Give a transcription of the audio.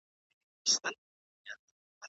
آیا په نوي تعلیمي نظام کي د سپورټ اهمیت درک سوی دی؟